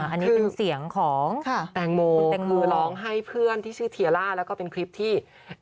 อันนี้เป็นเสียงของแตงโมคุณแตงโมร้องให้เพื่อนที่ชื่อเทียล่าแล้วก็เป็นคลิปที่